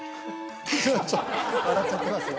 フフッ笑っちゃってますよ